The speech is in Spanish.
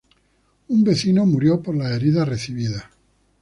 Un vecino murió por las heridas recibidas.